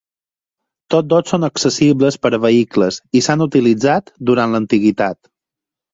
Tots dos són accessibles per a vehicles i s'han utilitzat durant l'antiguitat.